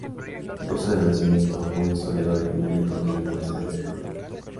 Ruso de nacimiento, fue un historiador Económico de la Universidad de Harvard.